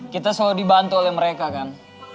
kita selalu dibantu oleh mereka kan